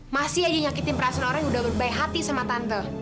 masih aja nyakitin perasaan orang yang udah berbaik hati sama tante